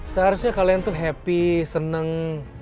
seharusnya kalian tuh happy seneng